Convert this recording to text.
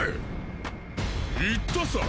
言ったさ！？